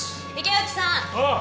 池内さん！